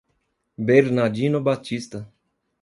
Bernardino Batista